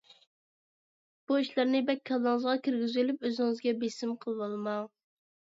بۇ ئىشلارنى بەك كاللىڭىزغا كىرگۈزۈۋېلىپ ئۆزىڭىزگە بېسىم قىلىۋالماڭ.